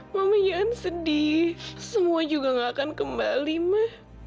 mami sedih semua juga tidak akan kembali ma